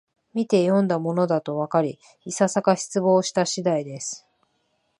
みてよんだものだとわかり、いささか失望した次第です